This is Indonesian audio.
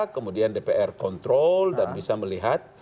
kemudian dpr kontrol dan bisa melihat